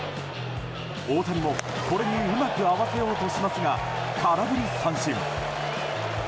大谷もこれにうまく合わせようとしますが空振り三振。